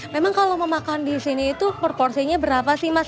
memang kalau mau makan di sini itu proporsinya berapa sih mas